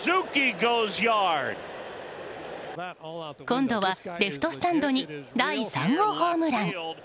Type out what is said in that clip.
今度はレフトスタンドに第３号ホームラン。